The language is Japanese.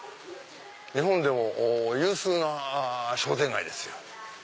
日本でも有数な商店街ですよ。